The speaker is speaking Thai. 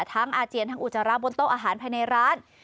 อาเจียนทั้งอุจจาระบนโต๊ะอาหารภายในร้าน